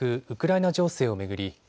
ウクライナ情勢を巡り